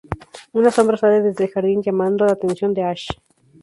Una sombra sale desde el jardín, llamando la atención de Ash.